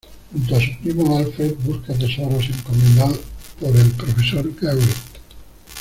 Junto a su primo Alfred busca tesoros encomendados por el profesor Gerrit.